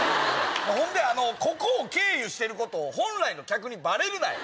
ほんでここを経由してることを本来の客にバレるなよ！